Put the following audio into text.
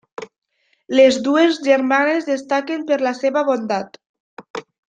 Les dues germanes destaquen per la seva bondat.